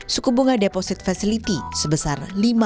suku bunga deposit facility sebesar lima dua puluh lima